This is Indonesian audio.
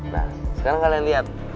nah sekarang kalian lihat